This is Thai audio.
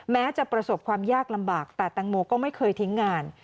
แม้จะประสบความยากลำบากแต่แตงโมก็ไม่เคยทิ้งงาน